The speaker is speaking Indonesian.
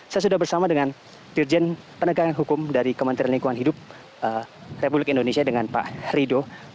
saya sudah bersama dengan dirjen penegakan hukum dari kementerian lingkungan hidup republik indonesia dengan pak rido